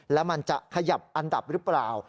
แล้วมันจะขยับอันดับหรือเปล่า